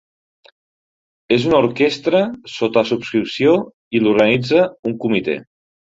És una orquestra sota subscripció i l'organitza un comitè.